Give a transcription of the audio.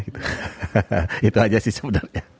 itu aja sih sebenarnya